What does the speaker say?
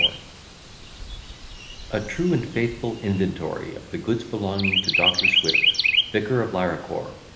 _] A TRUE AND FAITHFUL INVENTORY OF THE GOODS BELONGING TO DR. SWIFT, VICAR OF LARACOR.